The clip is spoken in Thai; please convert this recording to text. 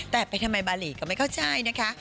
แต่ไปทำไมบารีก็ไม่เข้าใจนะคะ